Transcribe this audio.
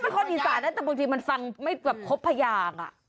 ฉันเป็นคนอีกภาษานั้นแต่บางทีมันฟังไม่ครบพยา